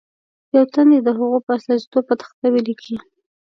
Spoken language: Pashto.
یو تن دې د هغو په استازیتوب په تخته ولیکي.